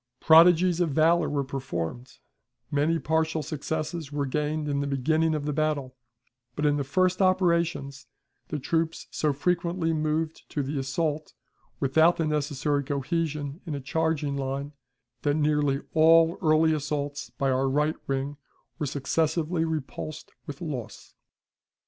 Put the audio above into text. Prodigies of valor were performed, many partial successes were gained in the beginning of the battle, but in the first operations the troops so frequently moved to the assault without the necessary cohesion in a charging line, that nearly all early assaults by our right wing were successively repulsed with loss.